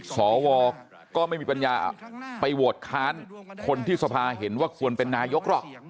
สวก็ไม่มีปัญญาไปโหวตค้านคนที่สภาเห็นว่าควรเป็นนายกหรอก